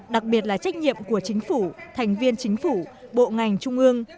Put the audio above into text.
đặc biệt là trách nhiệm của chính phủ thành viên chính phủ bộ ngành trung ương